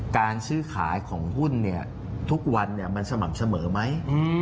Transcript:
การซื้อขายของหุ้นทุกวันมันสม่ำเสมอไหม